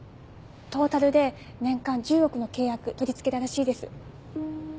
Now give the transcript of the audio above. トータルで年間１０億の契約取り付けたらしいです。